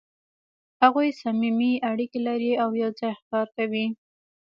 هغوی صمیمي اړیکې لري او یو ځای ښکار کوي.